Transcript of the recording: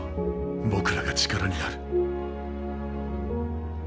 僕らが、力になる。